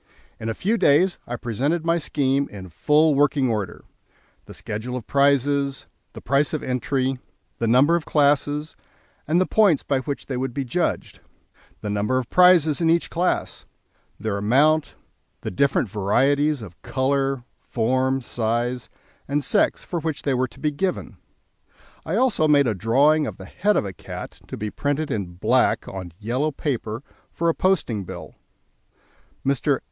In a few days I presented my scheme in full working order: the schedule of prizes, the price of entry, the number of classes, and the points by which they would be judged, the number of prizes in each class, their amount, the different varieties of colour, form, size, and sex for which they were to be given; I also made a drawing of the head of a cat to be printed in black on yellow paper for a posting bill. Mr.